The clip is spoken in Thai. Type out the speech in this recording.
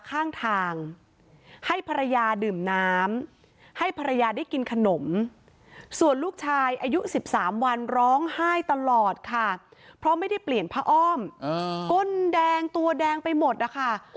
ข้างทางให้ภรรยาดื่มน้ำให้ภรรยาได้กินขนมส่วนลูกชายอายุ๑๓วันร้องไห้ตลอดค่ะเพราะไม่ได้เปลี่ยนผ้าอ้อมก้นแดงตัวแดงไปหมดนะคะ